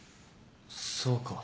そうか。